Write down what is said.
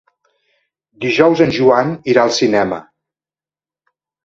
Dijous en Joan irà al cinema.